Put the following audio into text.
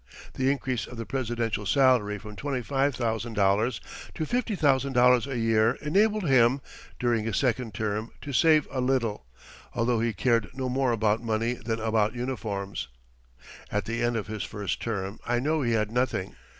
The increase of the presidential salary from $25,000 to $50,000 a year enabled him, during his second term, to save a little, although he cared no more about money than about uniforms. At the end of his first term I know he had nothing.